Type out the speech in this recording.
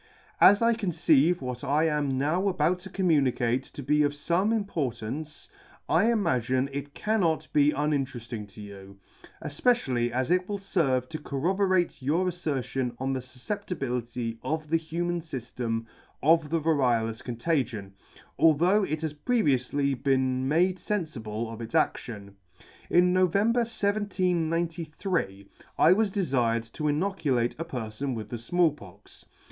As I conceive what I am now about to communicate to be of fome importance, I imagine it cannot be uninterefting to you, efpecially as it will ferve to corroborate your aflertion of the fufceptibility of the human fyftem of the variolous contagion, although it has previoufly been made fenlible of its addon. In November 1793, I was defired to inoculate a perfon with the Small Pox.